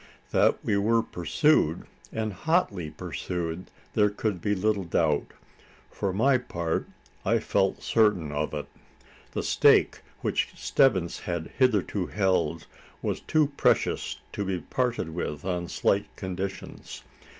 That we were pursued, and hotly pursued, there could be little doubt. For my part, I felt certain of it. The stake which Stebbins had hitherto held, was too precious to be parted with on slight conditions.